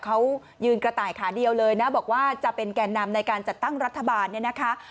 เขายืนกระต่ายขาเดียวเลยนะบอกว่าจะเป็นแก่นำในการจัดตั้งรัฐบาลเนี่ยนะคะ